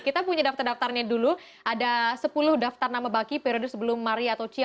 kita punya daftar daftarnya dulu ada sepuluh daftar nama baki periode sebelum maria atau cia